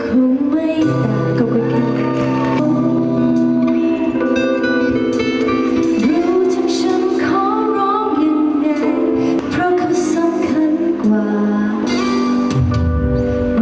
รู้ที่ฉันขอร้องยังไงเพราะเขาสำคัญกว่า